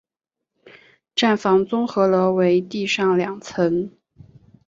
站房综合楼为地上两层。